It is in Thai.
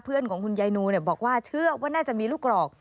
ของคุณยายนูบอกว่าเชื่อว่าน่าจะมีลูกหรอก